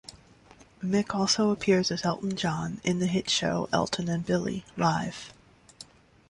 Mick also appears as 'Elton John' in the hit show, Elton and Billy: Live.